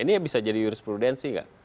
ini bisa jadi jurisprudensi gak